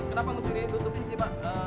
kenapa mestinya ditutupin sih pak